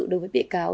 đối với bị cáo